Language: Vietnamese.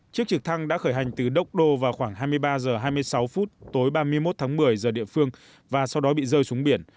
chiếc trực thăng đã khởi hành từ dokdo vào khoảng hai mươi ba h hai mươi sáu phút tối ba mươi một tháng một mươi giờ địa phương và sau đó bị rơi xuống biển